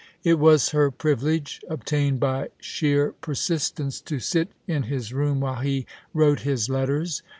It was her privilege — obtained by sheer persistence — to sit in his room while he wrote his letters.